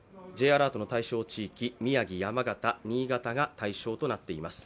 Ｊアラートの対象地域、宮城、山形、新潟が対象となっています。